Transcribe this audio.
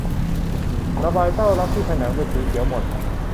ระบายเต้ารับที่ผนังเป็นสีเขียวหม่น